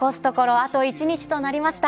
あと１日となりました。